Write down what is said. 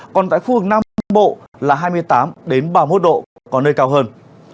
còn tại khu vực nam trung bộ là hai mươi tám ba mươi một độ có nơi cao hơn